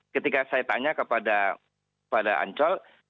ketika saya tanya kepada ancol